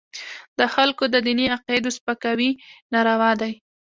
د خلکو د دیني عقایدو سپکاوي ناروا دی.